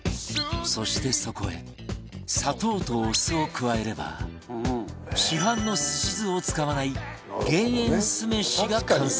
そしてそこへ砂糖とお酢を加えれば市販のすし酢を使わない減塩酢飯が完成